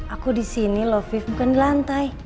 aku disini loh afif bukan di lantai